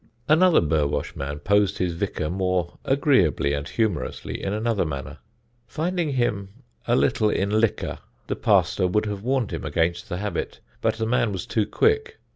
Another Burwash man posed his vicar more agreeably and humorously in another manner. Finding him a little in liquor the pastor would have warned him against the habit, but the man was too quick.